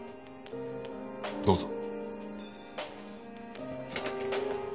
どうぞ。